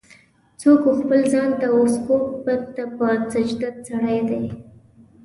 "څوک و خپل ځان ته اوڅوک بت ته په سجده ستړی دی.